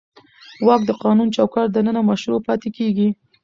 واک د قانوني چوکاټ دننه مشروع پاتې کېږي.